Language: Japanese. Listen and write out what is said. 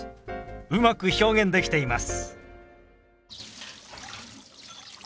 うまく表現できています。